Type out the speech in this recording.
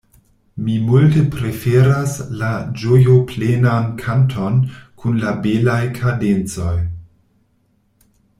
Mi multe preferas la ĝojoplenan kanton kun la belaj kadencoj.